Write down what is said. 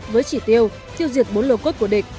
với chỉ tiêu tiêu diệt bốn lô cốt của địch